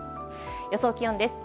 予想気温です。